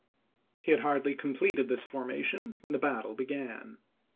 He had hardly completed this formation when the battle began.